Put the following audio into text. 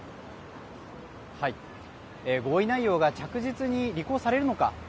合意内容が着実に履行されるのか。